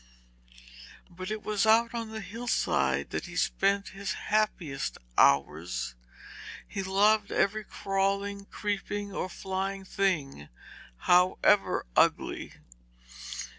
But it was out on the hillside that he spent his happiest hours. He loved every crawling, creeping, or flying thing, however ugly.